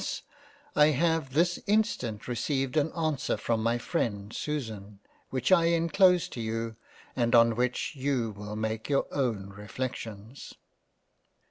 I have this instant received an answer from my freind Susan, which I enclose to you, and on which you will make your own reflections.